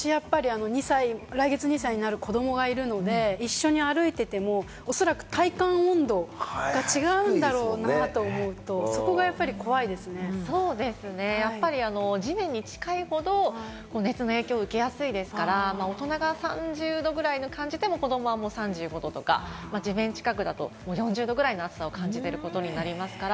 来月２歳になる子どもがいるので、一緒に歩いてても、おそらく体感温度が違うんだろうなと思うと、そこがそうですね、地面に近いほど熱の影響を受けやすいですから、大人が３０度ぐらいに感じても、子どもは３５度とか、地面近くだと４０度ぐらいの暑さを感じてることになりますから。